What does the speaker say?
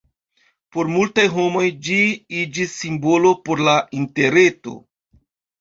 Por multaj homoj ĝi iĝis simbolo por la Interreto.